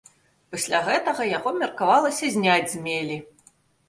Пасля гэтага яго меркавалася зняць з мелі.